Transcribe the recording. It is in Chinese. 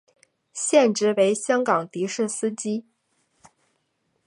现职为香港的士司机。